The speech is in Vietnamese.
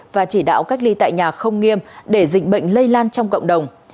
và chỉ đạo cách ly tại nhà không nghiêm để dịch bệnh lây lan trong cộng đồng